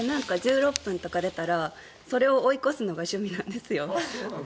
１６分とか出たらそれを追い越すのが趣味なんです。